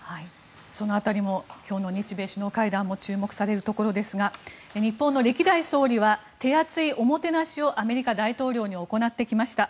その辺りも今日の日米首脳会談も注目されるところですが日本の歴代総理は手厚いおもてなしをアメリカ大統領に行ってきました。